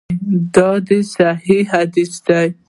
دا صحیح حدیث دی.